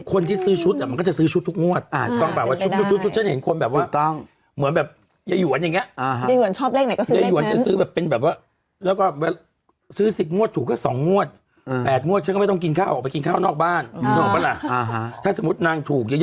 คนที่ซื้อชุดมันก็จะซื้อชุดทุกงวดต้องกล่าวว่าชุดฉันเห็นคนแบบว่าเหมือนแบบเย้หย่วนอย่างเงี้ย